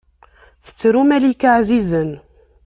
Tettru malika ɛzizen.